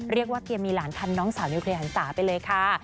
เรียกว่าเตรียมมีหลานทันน้องสาวนิวเคลียร์หันศาไปเลยค่ะ